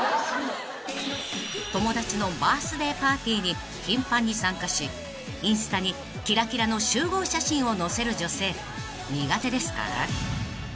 ［友達のバースデーパーティーに頻繁に参加しインスタにキラキラの集合写真をのせる女性苦手ですか？］